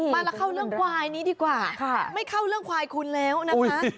มาแล้วเข้าเรื่องควายนี้ดีกว่าไม่เข้าเรื่องควายคุณแล้วนะคะ